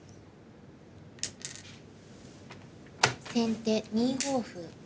先手２五歩。